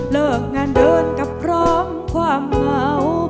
เลิกงานเดินกลับพร้อมความเหงา